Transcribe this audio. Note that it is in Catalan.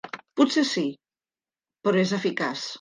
Potser sí, però és eficaç.